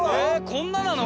こんななの？